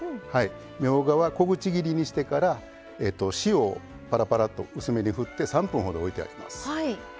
みょうがは小口切りにしてから塩をぱらぱらっと薄めにふって３分ほどおいてあります。